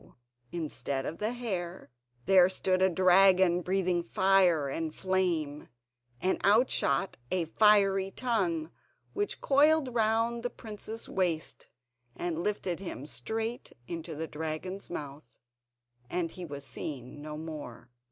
instead of the hare, there stood a dragon breathing fire and flame; and out shot a fiery tongue which coiled round the prince's waist, and lifted him straight into the dragon's mouth, and he was seen no more.